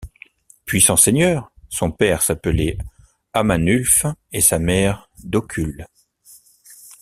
Puissant seigneur, son père s’appelait Amanulfe et sa mère Docule.